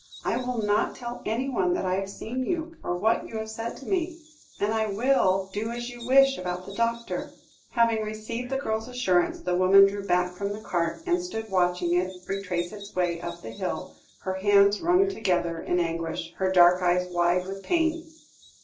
"I will not tell anyone that I have seen you, or what you have said to me; and I will do as you wish about the doctor." Having received the girl's assurance, the woman drew back from the cart, and stood watching it retrace its way up the hill, her hands wrung together in anguish, her dark eyes wide with pain.